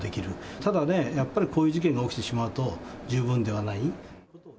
ただね、やっぱりこういう事件が起きてしまうと十分ではない。